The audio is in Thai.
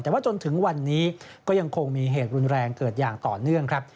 แต่ว่าจนถึงวันนี้ก็ยังคงมีเหตุรุนแรงเกิดอย่างต่อเนื่องครับ